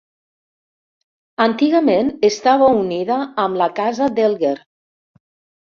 Antigament estava unida amb la Casa Delger.